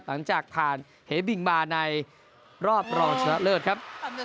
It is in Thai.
หลังจากผ่านเหบิงมาในรอบรองชนะเลิศครับ